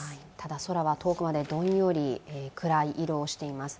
空は遠くまでどんより暗い色をしています。